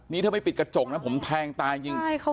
นี่ถ้าไม่ปิดกระจกนะผมแทงตายจริง